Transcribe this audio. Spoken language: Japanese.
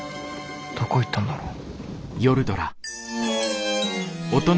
どこ行ったんだろう。